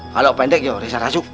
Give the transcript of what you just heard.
kalau pendek yo reza raju